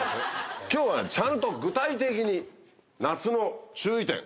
今日はちゃんと具体的に夏の注意点。